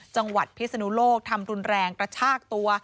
จังหวัดพิสนุโลกทำรุนแรงกระชากตัว